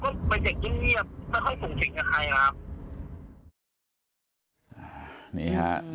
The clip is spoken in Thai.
เขาก็ไปเจ็บริ้มเยียบไม่ค่อยฝุ่งจิ๋งกับใครครับ